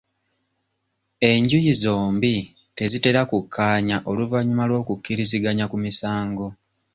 Enjuyi zombi tezitera kukkaanya oluvannyuma lw'okukkiriziganya ku misango.